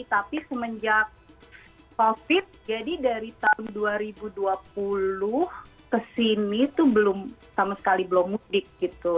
tapi semenjak covid jadi dari tahun dua ribu dua puluh ke sini tuh belum sama sekali belum mudik gitu